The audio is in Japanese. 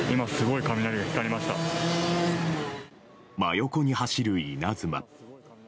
真横に走る稲妻。